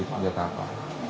bisa diper rentok kan